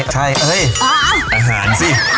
ใช่อาหารสิ